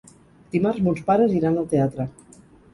Dimarts mons pares iran al teatre.